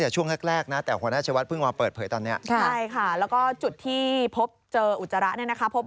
ใช่ใช่ขี้ค้น